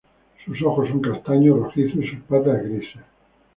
Sus ojos son castaños rojizos y sus patas grises.